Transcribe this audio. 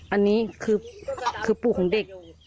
อันนี้คือปู่ของเด็ก